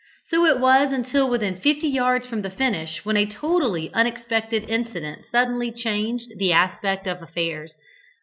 So it was until within fifty yards from the finish, when a totally unexpected incident suddenly changed the aspect of affairs.